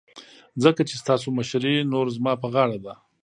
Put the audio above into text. ځکه چې ستاسو مشرې نوره زما په غاړه ده.